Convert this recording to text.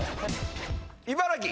茨城。